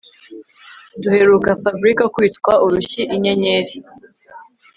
Duheruka Fabric akubitwa urushyi inyenyeri